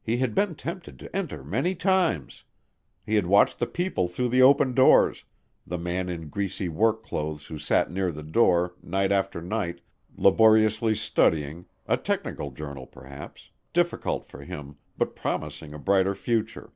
He had been tempted to enter many times. He had watched the people through the open doors, the man in greasy work clothes who sat near the door, night after night, laboriously studying, a technical journal perhaps, difficult for him, but promising a brighter future.